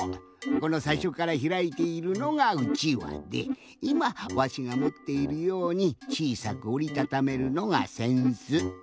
このさいしょからひらいているのがうちわでいまわしがもっているようにちいさくおりたためるのがせんす。